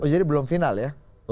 jadi belum final ya